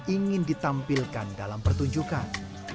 ingin ditampilkan dalam pertunjukan